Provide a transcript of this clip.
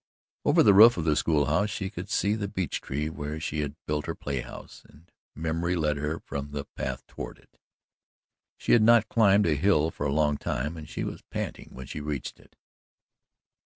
Over the roof of the schoolhouse she could see the beech tree where she had built her playhouse, and memory led her from the path toward it. She had not climbed a hill for a long time and she was panting when she reached it.